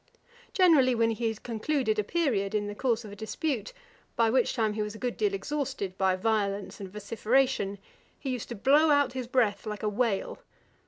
Generally when he had concluded a period, in the course of a dispute, by which time he was a good deal exhausted by violence and vociferation, he used to blow out his breath like a Whale.